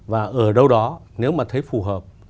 và ở đâu đó nếu mà thấy phù hợp